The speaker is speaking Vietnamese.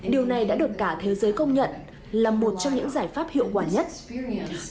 điều này đã được cả thế giới công nhận là một trong những giải pháp hiệu quả nhất